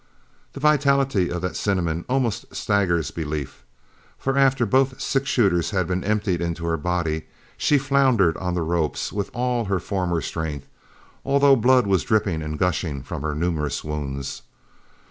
The vitality of that cinnamon almost staggers belief, for after both six shooters had been emptied into her body, she floundered on the ropes with all her former strength, although the blood was dripping and gushing from her numerous wounds.